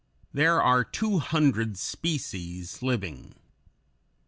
There are two hundred species living.